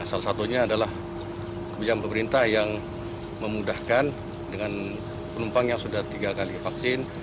salah satunya adalah kebijakan pemerintah yang memudahkan dengan penumpang yang sudah tiga kali vaksin